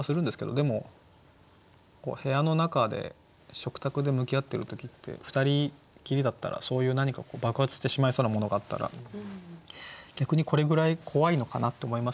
でも部屋の中で食卓で向き合ってる時って２人きりだったらそういう何か爆発してしまいそうなものがあったら逆にこれぐらい怖いのかなって思いますね。